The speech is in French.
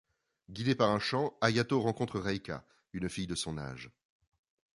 Guidé par un chant, Ayato rencontre Reika, une fille de son âge.